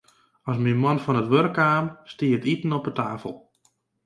As myn man fan it wurk kaam, stie it iten op 'e tafel.